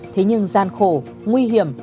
thế nhưng gian khổ nguy hiểm